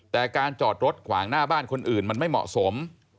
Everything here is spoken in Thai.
แต่การจอดรถขวางหน้าบ้านคนอื่นมันไม่เหมาะสม